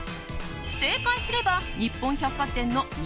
正解すれば日本百貨店しょく